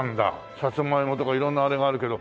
さつまいもとか色んなあれがあるけど。